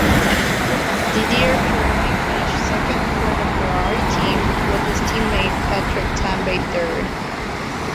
Didier Pironi finished second for the Ferrari team with his teammate Patrick Tambay third.